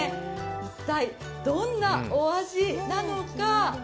一体どんなお味なのか？